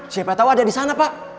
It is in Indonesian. siapa tahu ada di sana pak